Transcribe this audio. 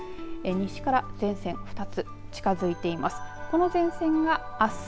西から前線２つ近づいています。